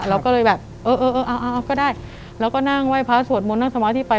เราก็เลยแบบเออเออเอาก็ได้แล้วก็นั่งไหว้พระสวดมนต์นั่งสมาธิไป